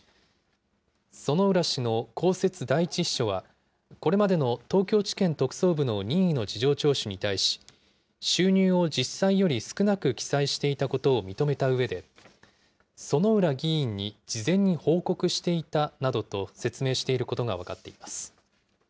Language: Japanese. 薗浦氏の公設第１秘書は、これまでの東京地検特捜部の任意の事情聴取に対し、収入を実際より少なく記載していたことを認めたうえで、薗浦議員に事前に報告していたなどと説明していることが分かっています。